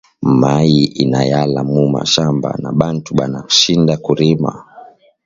Mayi inayala mu mashamba na bantu bana shinda ku rima